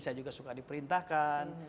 saya juga suka diperintahkan